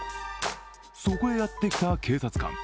そこへやってきた警察官。